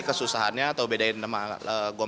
kesusahannya atau bedain nama gue